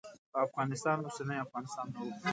افغانستان اوسنی افغانستان نه و.